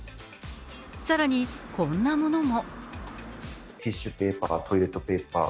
更にこんなものも。